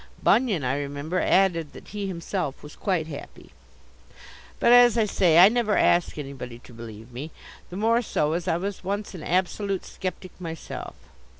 Bunyan, I remember, added that he himself was quite happy. But, as I say, I never ask anybody to believe me; the more so as I was once an absolute sceptic myself.